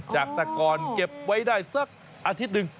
จักรกรเก็บไว้ได้สักอาทิตย์หนึ่ง